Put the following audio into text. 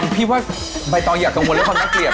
มีข้าวหนูกินอย่างเงี้ยจะน่าเกลียดป่ะ